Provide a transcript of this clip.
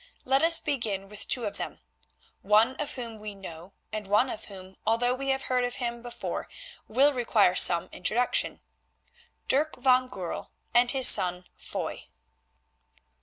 Let us begin with two of them, one of whom we know and one of whom, although we have heard of him before, will require some introduction—Dirk van Goorl and his son Foy.